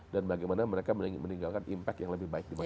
dan bagaimana mereka meninggalkan impact yang lebih baik di makassar